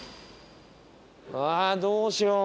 どうしよう。